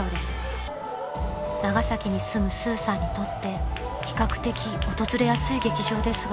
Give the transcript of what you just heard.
［長崎に住むスーさんにとって比較的訪れやすい劇場ですが］